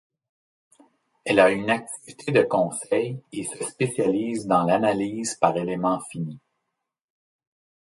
Elle a une activité de conseil et se spécialise dans l'analyse par éléments finis.